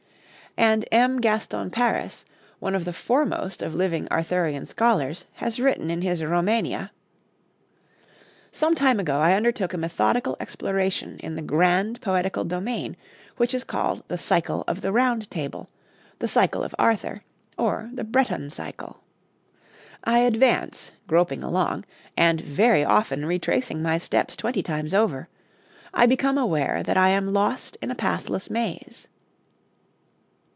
And M. Gaston Paris, one of the foremost of living Arthurian scholars, has written in his 'Romania': "Some time ago I undertook a methodical exploration in the grand poetical domain which is called the cycle of the Round Table, the cycle of Arthur, or the Breton cycle. I advance, groping along, and very often retracing my steps twenty times over, I become aware that I am lost in a pathless maze."